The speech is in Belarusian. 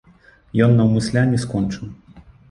І ён наўмысля не скончыў.